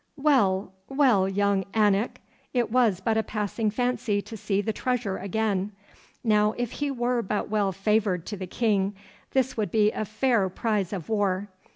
'Well, well, young Anak! it was but a passing fancy to see the treasure again. Now, if he were but well favoured to the King, this would be fair prize of war.